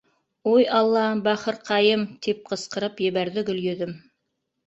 — Уй Алла, бахырҡайым, — тип ҡысҡырып ебәрҙе Гөлйөҙөм.